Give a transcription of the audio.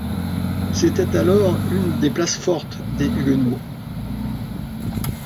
C'était alors une des places fortes des huguenots.